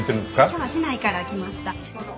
今日は市内から来ました。